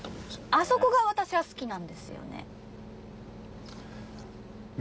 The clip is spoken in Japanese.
あそこがワタシは好きなんですよね。